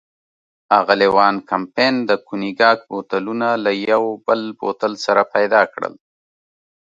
اغلې وان کمپن د کونیګاک بوتلونه له یو بل بوتل سره پيدا کړل.